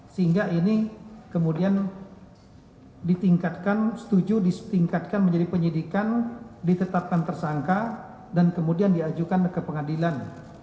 sehingga ini kemudian ditingkatkan setuju ditingkatkan menjadi penyidikan ditetapkan tersangka dan kemudian diajukan ke pengadilan